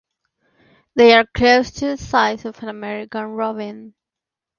They are close to the size of an American robin.